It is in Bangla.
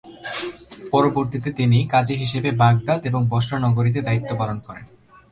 পরবর্তীতে তিনি কাজী হিসেবে বাগদাদ এবং বসরা নগরীতে দায়িত্ব পালন করেন।